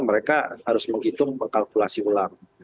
mereka harus menghitung mengkalkulasi ulang